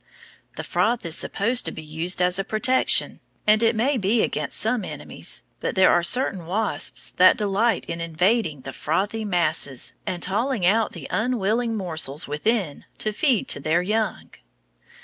The froth is supposed to be used as a protection, and it may be against some enemies, but there are certain wasps that delight in invading the frothy masses and hauling out the unwilling morsels within to feed to their young.